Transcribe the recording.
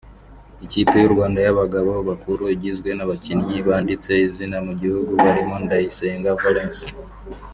Ikipe y’u Rwanda y’abagabo bakuru igizwe n’abakinnyi banditse izina mu gihugu barimo Ndayisenga Valens